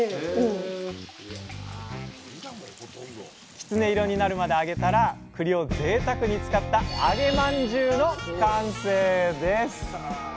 きつね色になるまで揚げたらくりをぜいたくに使った「揚げまんじゅう」の完成です